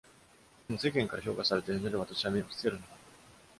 でも、世間から評価されているので、私は目を伏せるのだ。